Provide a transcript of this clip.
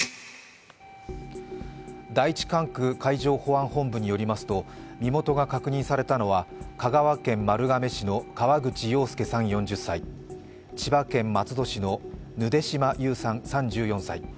第一管区海上保安本部によりますと身元が確認されたのは香川県丸亀市の河口洋介さん４０歳、千葉県松戸市のぬで島優さん３４歳。